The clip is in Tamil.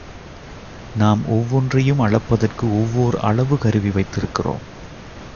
நாம் ஒவ்வொன்றையும் அளப்பதற்கு ஒவ்வோர் அளவு கருவி வைத்திருக்கிறோம்.